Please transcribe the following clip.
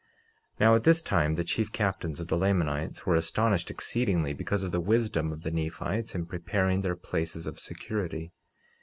49:5 Now at this time the chief captains of the Lamanites were astonished exceedingly, because of the wisdom of the Nephites in preparing their places of security.